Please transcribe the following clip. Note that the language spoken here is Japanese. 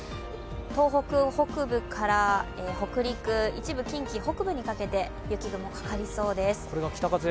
東北北部から北陸、一部近畿北部にかけて雪雲かかりそうです。